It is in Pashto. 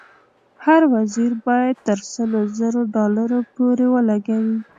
هر وزیر باید تر سلو زرو ډالرو پورې ولګوي.